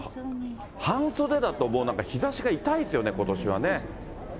半袖だと、もう日ざしが痛いですよね、ことしはね。